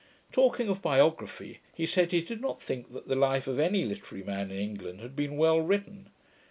Talking of biography, he said, he did not think that the life of any literary man in England had been well written.